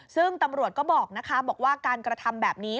ซึ่งตำรวจก็บอกนะคะบอกว่าการกระทำแบบนี้